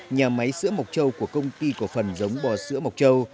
nhà máy sữa mộc trầu của công ty cổ phần giống bò sữa mộc trầu